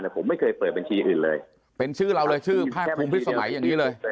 แต่ผมไม่เคยเปิดบัญชีอื่นเลยเป็นชื่อเราเลยชื่อภาคภูมิพิษสมัยอย่างนี้เลย